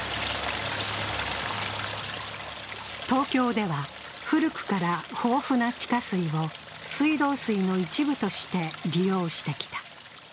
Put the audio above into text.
東京では古くから豊富な地下水を水道水の一部として利用してきた。